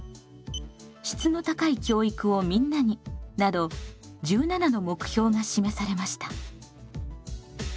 「質の高い教育をみんなに」など１７の目標が示されました。